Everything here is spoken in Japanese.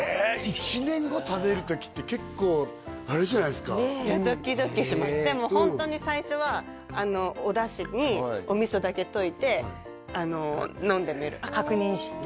１年後食べる時って結構あれじゃないですかドキドキしますでもホントに最初はお出汁にお味噌だけ溶いて飲んでみる確認して？